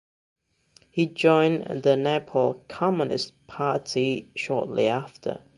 He joined the Nepal Communist Party shortly after.